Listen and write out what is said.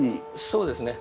そうですね。